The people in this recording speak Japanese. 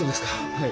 はい。